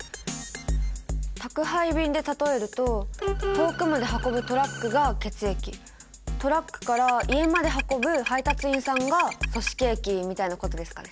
宅配便で例えると遠くまで運ぶトラックが血液トラックから家まで運ぶ配達員さんが組織液みたいなことですかね？